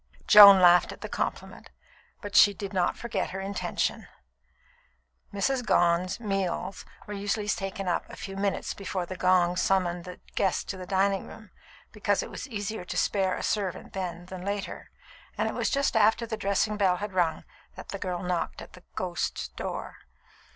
Joan laughed at the compliment, but she did not forget her intention. Mrs. Gone's meals were usually taken up a few minutes before the gong summoned the guests to the dining room, because it was easier to spare a servant then than later, and it was just after the dressing bell had rung that the girl knocked at the "ghost's" door.